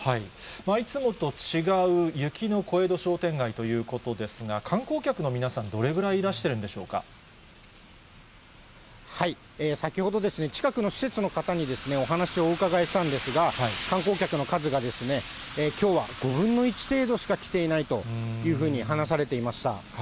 いつもと違う雪の小江戸商店街ということですが、観光客の皆さん、どれぐらいいらしてるんで先ほど、近くの施設の方にお話をお伺いしたんですが、観光客の数がきょうは５分の１程度しか来ていないというふうに話されていました。